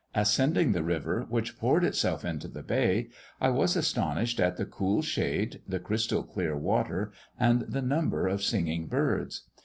Ascending the river, which poured itself into the bay, I was astonished at the cool shade, the crystal clear water, and the number of singing birds.